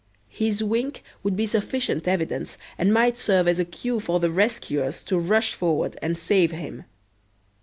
His wink would be sufficient evidence and might serve as a cue for the rescuers to rush forward and save him.